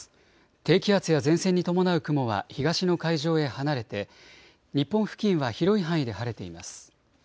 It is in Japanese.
低気圧や前線に伴う雲は東の海上へ離れて、日本付近は広い範囲で晴れています。